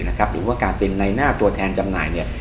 หรือว่าการเป็นในหน้าตัวแทนจำหน่าย